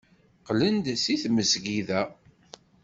Qqlen-d seg tmesgida.